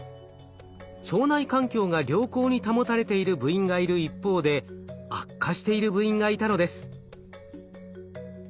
腸内環境が良好に保たれている部員がいる一方で悪化している部員がいたのです。